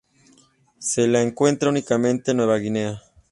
Se la encuentra únicamente en Nueva Guinea.